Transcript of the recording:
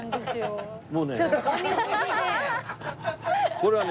これはね